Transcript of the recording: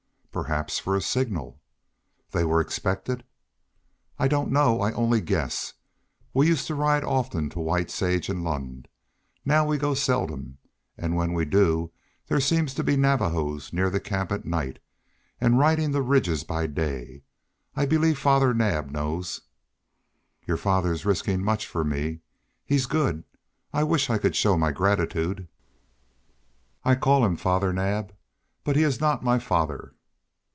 "Perhaps for a signal." "Then they were expected?" "I don't know; I only guess. We used to ride often to White Sage and Lund; now we go seldom, and when we do there seem to be Navajos near the camp at night, and riding the ridges by day. I believe Father Naab knows." "Your father's risking much for me. He's good. I wish I could show my gratitude." "I call him Father Naab, but he is not my father."